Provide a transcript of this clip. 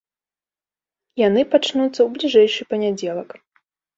Яны пачнуцца ў бліжэйшы панядзелак.